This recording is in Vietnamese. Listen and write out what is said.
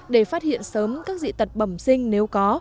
để phát hiện sớm các dị tật bẩm sinh nếu có